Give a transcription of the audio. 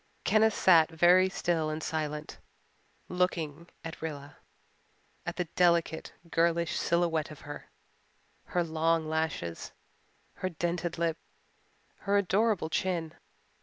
Kenneth sat very still and silent, looking at Rilla at the delicate, girlish silhouette of her, her long lashes, her dented lip, her adorable chin.